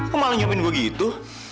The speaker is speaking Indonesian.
kok malah swapin gue gitu